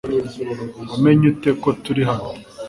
Wamenye ute ko turi hano?